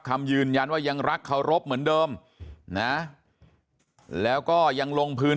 คำยืนยันว่ายังรักเคารพเหมือนเดิมนะแล้วก็ยังลงพื้น